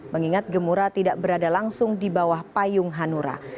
mengingat gemura tidak berada langsung di bawah payung hanura